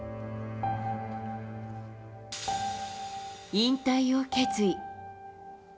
引退を決意。